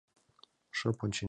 Шып ончен шога.